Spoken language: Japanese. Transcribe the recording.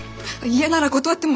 嫌なら断っても。